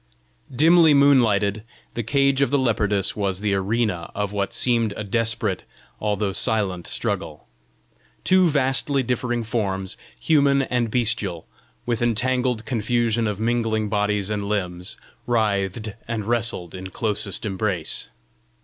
Dimly moonlighted, the cage of the leopardess was the arena of what seemed a desperate although silent struggle. Two vastly differing forms, human and bestial, with entangled confusion of mingling bodies and limbs, writhed and wrestled in closest embrace.